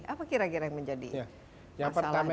apa kira kira yang menjadi masalah